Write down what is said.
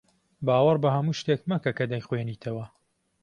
باوەڕ بە هەموو شتێک مەکە کە دەیخوێنیتەوە.